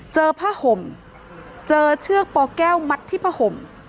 เจอผ้าห่มเจอเชือกปแก้วมัดที่ผ้าห่ม